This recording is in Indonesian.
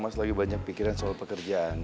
mas lagi banyak pikirin soal pekerjaan